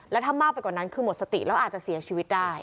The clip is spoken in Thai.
แล้วถ้ามากไปกว่านั้นคือหมดสติแล้วอาจจะเสียชีวิตได้